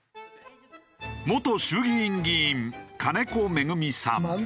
元衆議院議員金子恵美さん。